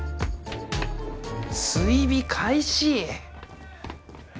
追尾開始。